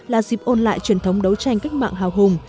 là dịp ôn lại truyền thống đấu tranh cách mạng hào hùng